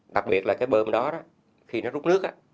đặc biệt là cái bơm đó đó khi nó rút nước á